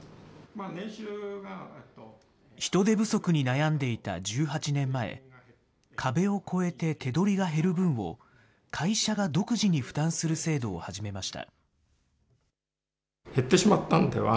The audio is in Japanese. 人手不足に悩んでいた１８年前、壁を超えて手取りが減る分を、会社が独自に負担する制度を始めました。